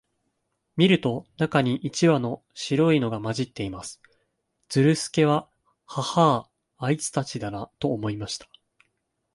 見ると、中に一羽白いのが混じっています。ズルスケは、ハハア、あいつたちだな、と思いました。